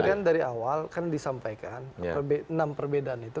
jadi kan dari awal kan disampaikan enam perbedaan itu